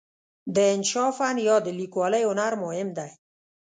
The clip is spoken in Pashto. د انشأ فن یا د لیکوالۍ هنر مهم دی.